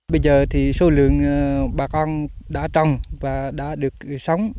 bây giờ thì số lượng bà con đã trồng và đã được sống